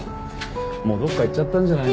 もうどこか行っちゃったんじゃないの？